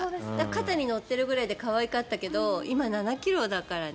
肩に乗っているくらいで可愛かったけど今、７ｋｇだから。